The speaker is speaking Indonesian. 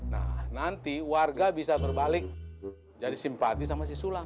nah nanti warga bisa berbalik jadi simpati sama siswa